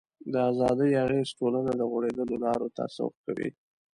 د ازادۍ اغېز ټولنه د غوړېدلو لارو ته سوق کوي.